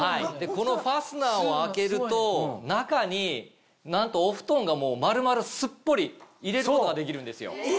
このファスナーを開けると中になんとお布団が丸々すっぽり入れることができるんですよ。え！